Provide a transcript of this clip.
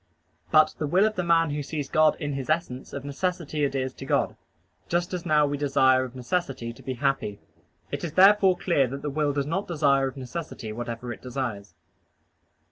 But the will of the man who sees God in His essence of necessity adheres to God, just as now we desire of necessity to be happy. It is therefore clear that the will does not desire of necessity whatever it desires.